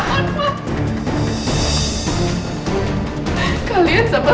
umsur lupa with apapa